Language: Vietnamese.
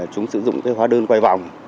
chúng sử dụng cái hóa đơn quay vòng